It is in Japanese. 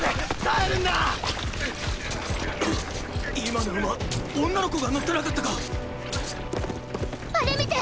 今の馬女の子が乗ってなかったか⁉あれみて！